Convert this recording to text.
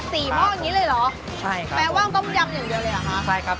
หม้ออย่างงี้เลยเหรอใช่ครับแปลว่าต้มยำอย่างเดียวเลยเหรอคะใช่ครับ